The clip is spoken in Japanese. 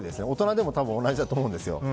大人でも多分同じだと思うんです。